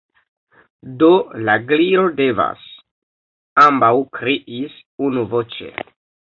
"Do, la Gliro devas," ambaŭ kriis unuvoĉe.